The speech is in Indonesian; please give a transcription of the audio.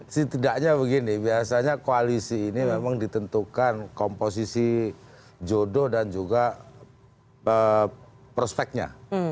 setidaknya begini biasanya koalisi ini memang ditentukan komposisi jodoh dan juga prospeknya